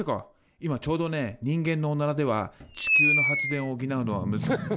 今ちょうどね人間のオナラでは地球の発電を補うのはむずか。